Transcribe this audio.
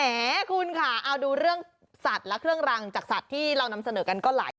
แหมคุณค่ะเอาดูเรื่องสัตว์และเครื่องรังจากสัตว์ที่เรานำเสนอกันก็ไหล